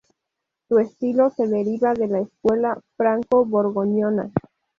Su estilo se deriva de la escuela franco-borgoñona.